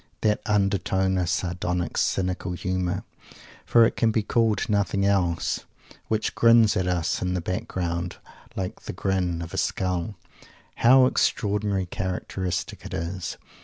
That undertone of sardonic, cynical humour for it can be called nothing else which grins at us in the background like the grin of a Skull; how extraordinarily characteristic it is!